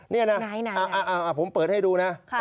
นี่นะผมเปิดให้ดูนะ